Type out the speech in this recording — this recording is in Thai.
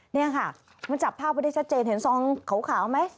นี่ค่ะมันจับภาพไว้ได้ชัดเจนเห็นซองขาวไหม